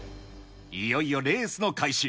いよいよレースの開始。